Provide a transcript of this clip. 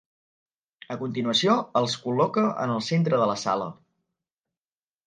A continuació, els col·loca en el centre de la sala.